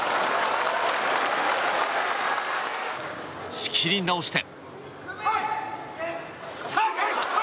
仕切り直して。